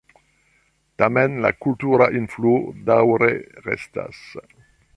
Tamen, la kultura influo daŭre restas.